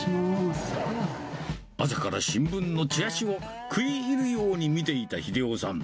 朝から新聞のチラシを食い入るように見ていた秀夫さん。